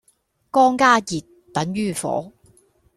光加熱,等於火